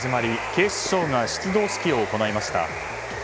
警視庁が出動式を行いました。